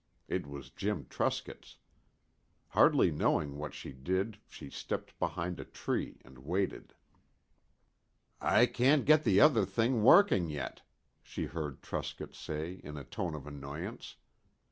It was Jim Truscott's. Hardly knowing what she did, she stepped behind a tree and waited. "I can't get the other thing working yet," she heard Truscott say in a tone of annoyance.